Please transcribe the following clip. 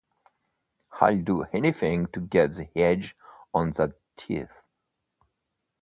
I'll do anything to get the edge on that thief.